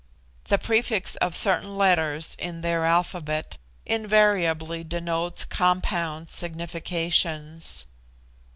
The prefix of certain letters in their alphabet invariably denotes compound significations.